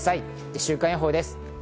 週間予報です。